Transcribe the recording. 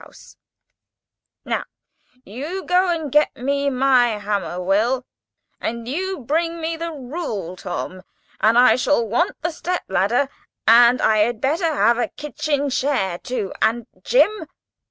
[Picture: Candle] "Now you go and get me my hammer, Will," he would shout; "and you bring me the rule, Tom; and I shall want the step ladder, and I had better have a kitchen chair, too; and, Jim!